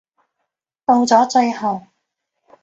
到咗最後